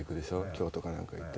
京都かなんか行って。